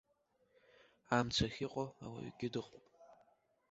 Амца ахьыҟоу ауаҩгьы дыҟоуп.